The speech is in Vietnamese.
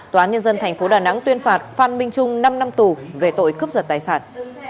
tòa án nhân dân tp đà nẵng tuyên phạt phan minh trung năm năm tù về tội cướp giật tài sản